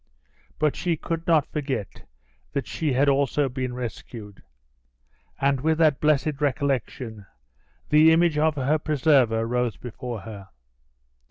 But she could not forget that she had also been rescued; and with that blessed recollection, the image of her preserver rose before her.